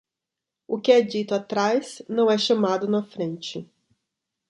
O que é dito atrás não é chamado na frente.